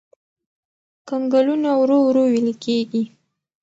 کنګلونه ورو ورو ويلي کېږي.